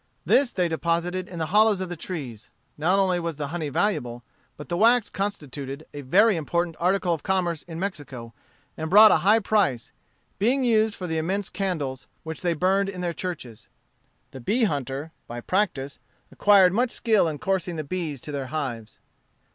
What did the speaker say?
This they deposited in the hollows of trees. Not only was the honey valuable, but the wax constituted a very important article of commerce in Mexico, and brought a high price, being used for the immense candles which they burned in their churches. The bee hunter, by practice, acquired much skill in coursing the bees to their hives.